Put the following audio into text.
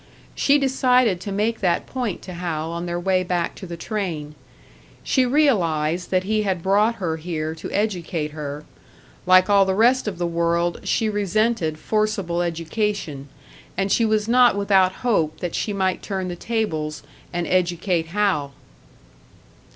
She decided to make that point to Hal on their way back to the train. She realised that he had brought her here to educate her; like all the rest of the world, she resented forcible education, and she was not without hope that she might turn the tables and educate Hal.